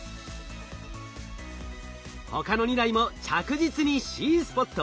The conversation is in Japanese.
他の２台も着実にＣスポット